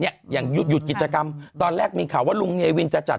อย่างหยุดกิจกรรมตอนแรกมีข่าวว่าลุงเนวินจะจัด